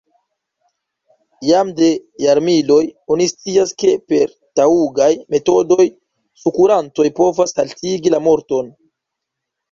Jam de jarmiloj oni scias, ke per taŭgaj metodoj sukurantoj povas haltigi la morton.